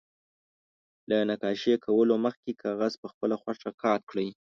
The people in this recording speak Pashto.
له نقاشي کولو مخکې کاغذ په خپله خوښه قات کړئ.